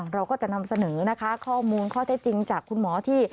เราก็จะนำเสนอนะคะข้อมูลข้อเท็จจริงจากคุณหมอที่